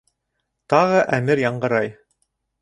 Тағы әмер яңғырай.